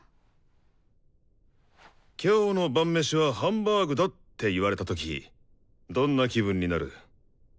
「今日の晩飯はハンバーグだ！」って言われた時どんな気分になる？